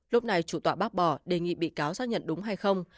lúc này chủ tọa bác bỏ đề nghị bị cáo xác nhận đúng hay không